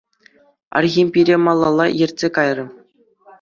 Архим пире малалла ертсе кайрӗ.